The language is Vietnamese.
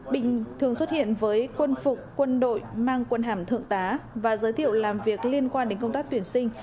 bình thường xuất hiện với quân phụ quân đội mang quân hàm thượng tá và giới thiệu làm việc liên quan đến công tác tuyển sinh